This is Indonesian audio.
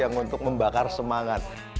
yang untuk membakar semangat